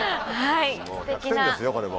１００点ですねこれも。